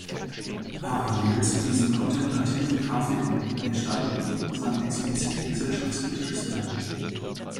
Parallel zu diesen kontemplativen Graphiken entstanden sein explizit gesellschaftskritisches Werk.